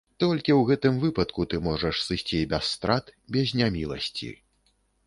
Толькі ў гэтым выпадку ты можаш сысці без страт, без няміласці.